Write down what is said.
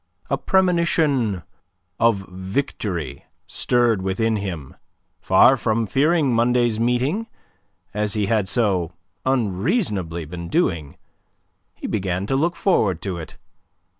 A premonition of victory stirred within him. Far from fearing Monday's meeting, as he had so unreasonably been doing, he began to look forward to it.